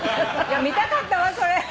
見たかったわそれ。